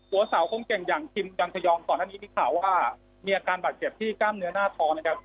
สาวคนเก่งอย่างคิมกันทยองก่อนหน้านี้มีข่าวว่ามีอาการบาดเจ็บที่กล้ามเนื้อหน้าท้องนะครับ